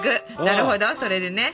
なるほどそれでね。